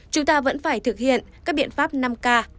chúng ta vẫn phải thực hiện các biện pháp năm k